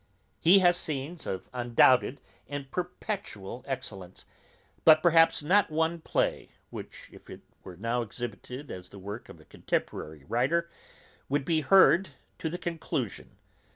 He has scenes of undoubted and perpetual excellence, but perhaps not one play, which, if it were now exhibited as the work of a contemporary writer, would be heard to the conclusion.